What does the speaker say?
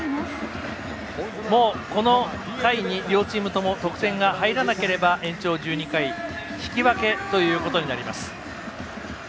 もう、この回に両チームとも得点が入らなければ延長１２回引き分けということになります。